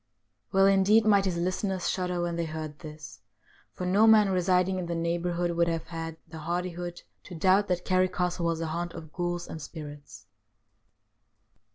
Well, indeed, might his listeners shudder when they heard this, for no man residing in the neighbour hood would have had the hardihood to doubt that Carrick Castle was the haunt of ghouls and spirits.